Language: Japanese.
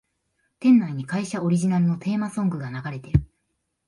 店内に会社オリジナルのテーマソングが流れてる